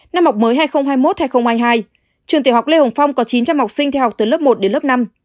năm học mới hai nghìn hai mươi một hai nghìn hai mươi hai trường tiểu học lê hồng phong có chín trăm linh học sinh theo học từ lớp một đến lớp năm